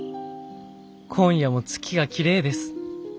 今夜も月がきれいです。